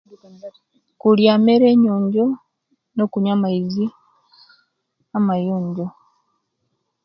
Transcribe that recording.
Kulia imere enyonjo no okunywa amaizi amayonjo